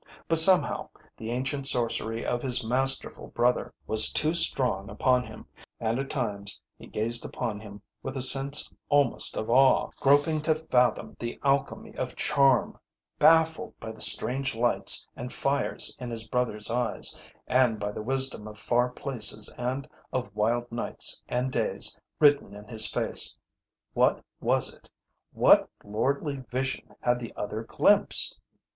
But somehow the ancient sorcery of his masterful brother was too strong upon him; and at times he gazed upon him with a sense almost of awe, groping to fathom the alchemy of charm, baffled by the strange lights and fires in his brother's eyes, and by the wisdom of far places and of wild nights and days written in his face. What was it? What lordly vision had the other glimpsed?